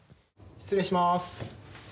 失礼します。